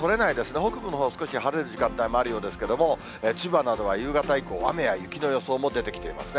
北部のほう、少し晴れる時間帯もあるようですけれども、千葉などは夕方以降、雨や雪の予想も出てきていますね。